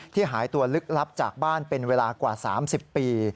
หายตัวลึกลับจากบ้านเป็นเวลากว่า๓๐ปี